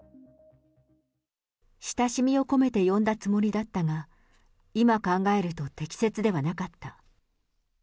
親しみを込めて呼んだつもりだったが、今考えると、適切ではなかった。